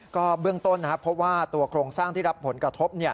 ก็เบื้องต้นเพราะว่าตัวโครงสร้างที่รับผลกระทบ